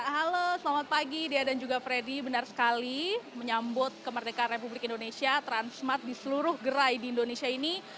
halo selamat pagi dea dan juga freddy benar sekali menyambut kemerdekaan republik indonesia transmart di seluruh gerai di indonesia ini